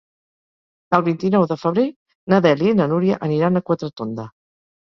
El vint-i-nou de febrer na Dèlia i na Núria aniran a Quatretonda.